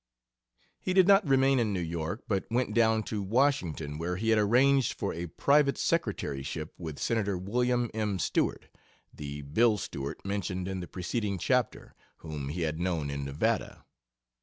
He did not remain in New York, but went down to Washington, where he had arranged for a private secretaryship with Senator William M. Stewart, [The "Bill" Stewart mentioned in the preceding chapter.] whom he had known in Nevada.